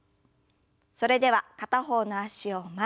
それでは片方の脚を前に。